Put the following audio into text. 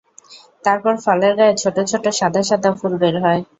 তারপর ফলের গায়ে ছোট ছোট সাদা সাদা ফুল বের হয়।